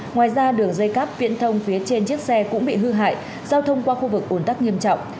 ngoài ra đường dây cáp viễn thông phía trên chiếc xe cũng bị hư hại giao thông qua khu vực ồn tắc nghiêm trọng